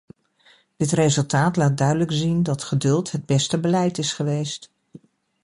Dit resultaat laat duidelijk zien dat geduld het beste beleid is geweest.